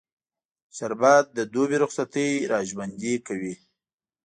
شربت د دوبی رخصتي راژوندي کوي